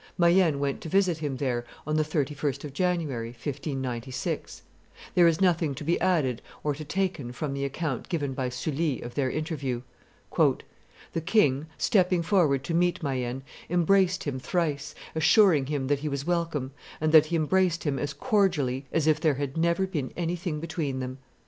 Mayenne went to visit him there on the 31st of January, 1596. There is nothing to be added to or taken from the account given by Sully of their interview. "The king, stepping forward to meet Mayenne, embraced him thrice, assuring him that he was welcome, and that he embraced him as cordially as if there had never been anything between them.